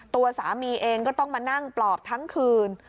ตัวสามีเองก็ต้องมานั่งปลอบทั้งคืน